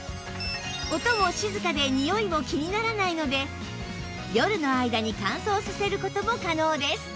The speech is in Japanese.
音も静かでにおいも気にならないので夜の間に乾燥させる事も可能です